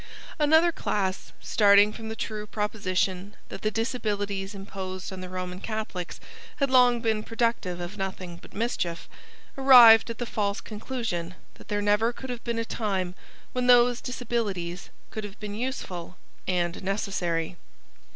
Another class, starting from the true proposition that the disabilities imposed on the Roman Catholics had long been productive of nothing but mischief, arrived at the false conclusion that there never could have been a time when those disabilities could have been useful and necessary.